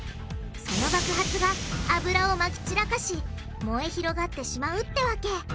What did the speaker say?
その爆発が油をまき散らかし燃え広がってしまうってわけ。